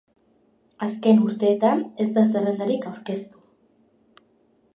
Azken urteetan ez da zerrendarik aurkeztu.